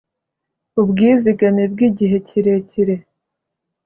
ubwizigame bw igihe kirekire